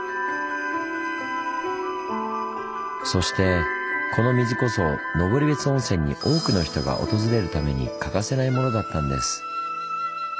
そしてこの水こそ登別温泉に多くの人が訪れるために欠かせないものだったんです。